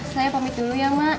saya pamit dulu ya mak